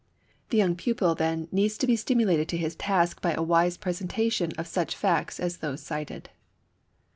The young pupil, then, needs to be stimulated to his task by a wise presentation of such facts as those cited.